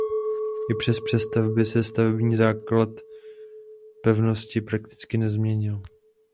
I přes přestavby se stavební základ pevnosti prakticky nezměnil.